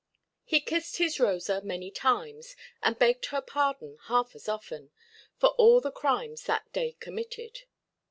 He kissed his Rosa many times, and begged her pardon half as often, for all the crimes that day committed.